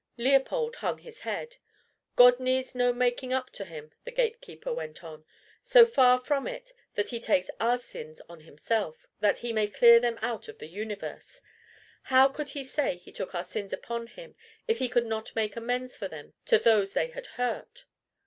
Leopold hung his head. "God needs no making up to him," the gate keeper went on "so far from it that he takes our sins on himself, that he may clear them out of the universe. How could he say he took our sins upon him, if he could not make amends for them to those they had hurt?"